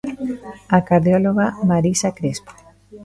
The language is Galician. A cardióloga Marisa Crespo.